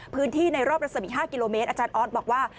พื้นที่ในรอบรสมี๕กิโลเมตรอาจารย์ออสบอกว่า